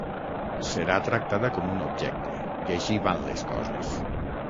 Serà tractada com un objecte, i així van les coses.